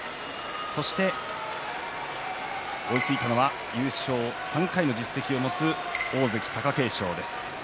そして追いついたのは優勝３回の実績を持つ大関貴景勝です。